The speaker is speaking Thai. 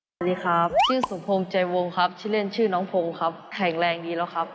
สวัสดีครับชื่อสมพงษ์ใจวงครับชื่อเล่นชื่อน้องพงศ์ครับแข็งแรงดีแล้วครับ